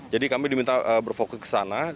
jadi kami diminta berfokus ke sana dan